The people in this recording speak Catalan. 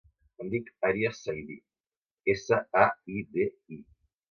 Em dic Arya Saidi: essa, a, i, de, i.